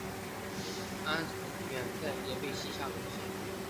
安远寨也被西夏攻陷。